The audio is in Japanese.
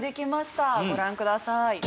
ご覧ください。